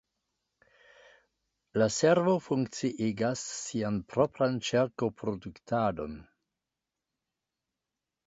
La servo funkciigas sian propran ĉerkoproduktadon.